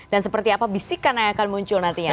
dan seperti apa bisikan yang akan muncul nantinya